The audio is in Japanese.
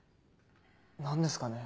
何ですかね？